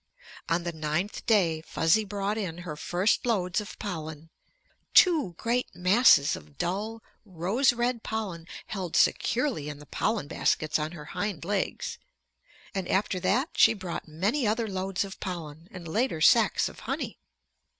On the ninth day Fuzzy brought in her first loads of pollen, two great masses of dull rose red pollen held securely in the pollen baskets on her hind legs. And after that she brought many other loads of pollen and later sacs of honey.